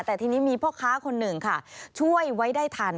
แต่ทีนี้มีพ่อค้าคนหนึ่งค่ะช่วยไว้ได้ทัน